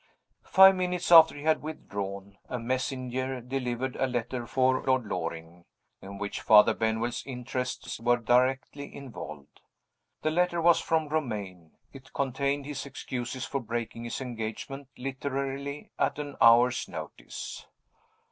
Five minutes after he had withdrawn, a messenger delivered a letter for Lord Loring, in which Father Benwell's interests were directly involved. The letter was from Romayne; it contained his excuses for breaking his engagement, literally at an hour's notice.